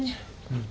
うん。